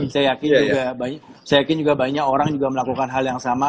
saya yakin juga banyak orang juga melakukan hal yang sama